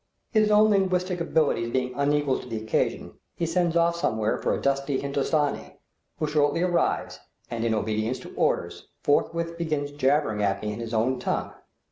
His own linguistic abilities being unequal to the occasion, he sends off somewhere for a dusky Hindostani, who shortly arrives and, in obedience to orders, forthwith begins jabbering at me in his own tongue.